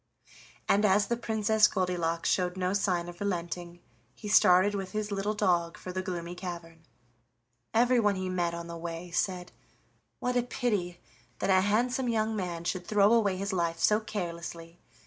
And, as the Princess Goldilocks showed no sign of relenting, he started with his little dog for the Gloomy Cavern. Everyone he met on the way said: "What a pity that a handsome young man should throw away his life so carelessly!